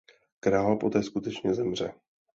Král poté skutečně zemře.